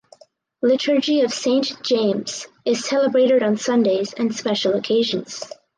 Liturgy of Saint James is celebrated on Sundays and special occasions.